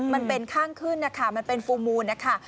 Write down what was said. มันเป็นข้างขึ้นนะคะมันเป็นฟูลมูลนะคะ